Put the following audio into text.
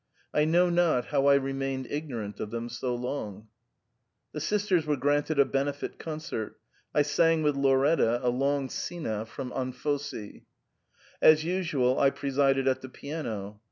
I know not how I remained ignorant of them so long !" The sisters were granted a benefit concert ; I sang with Lauretta a long scena from Anfossi. * As usual I presided at the piano.